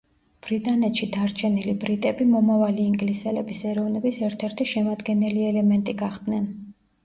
ბრიტანეთში დარჩენილი ბრიტები მომავალი ინგლისელების ეროვნების ერთ-ერთი შემადგენელი ელემენტი გახდნენ.